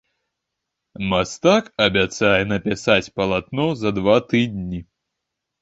Мастак абяцае напісаць палатно за два тыдні.